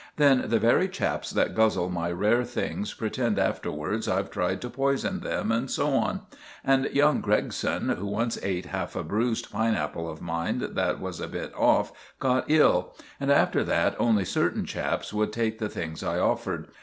Then the very chaps that guzzle my rare things pretend afterwards I've tried to poison them, and so on; and young Gregson, who once ate half a bruised pineapple of mine that was a bit off, got ill; and after that only certain chaps would take the things I offered.